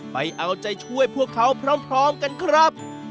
ไปเอาใจช่วยพวกเขาพร้อมกันครับ